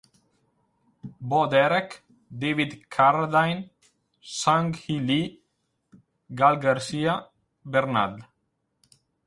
Bo Derek, David Carradine, Sung Hi Lee, Gael García Bernal.